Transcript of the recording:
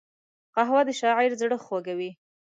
قهوه د شاعر زړه خوږوي